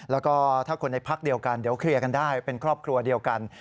แล้วก็ถ้าคนในพักเดียวกันเดี๋ยวเคลียร์กันได้เป็นครอบครัวเดียวกัน